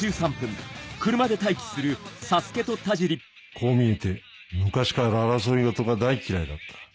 こう見えて昔から争い事が大嫌いだった